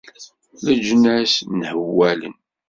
Leǧnas nhewwalen.